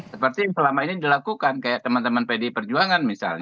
seperti yang selama ini dilakukan kayak teman teman pd perjuangan misalnya